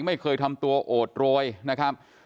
ไม่เคยทำตัวโอดโรยนะครับ